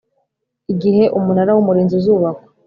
igihe Umunara w Umurinzi uzubakwa